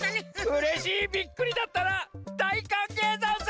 うれしいビックリだったらだいかんげいざんす！